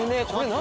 何？